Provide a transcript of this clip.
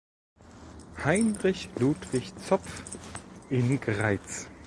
Heinrich Ludwig Zopf in Greiz.